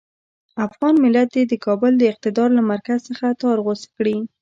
افغان ملت دې د کابل د اقتدار له مرکز څخه تار غوڅ کړي.